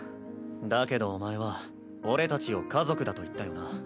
だけどお前は俺たちを家族だと言ったよな。